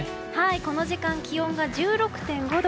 この時間、気温が１６．５度。